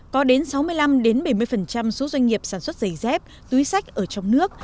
có đến sáu mươi năm bảy mươi số doanh nghiệp sản xuất giày dép túi sách ở trong nước